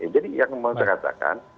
jadi yang mau saya katakan